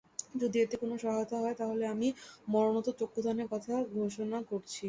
যদি এতে কোনো সহায়তা হয়, তাহলে আমি মরণোত্তর চক্ষুদানের কথা ঘোষণা করছি।